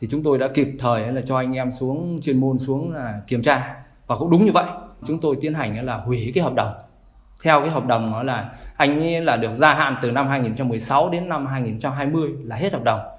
hợp đồng là được gia hạn từ năm hai nghìn một mươi sáu đến năm hai nghìn hai mươi là hết hợp đồng